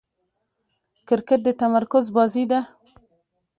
کرکټ د تمرکز بازي ده.